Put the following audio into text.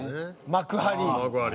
『幕張』。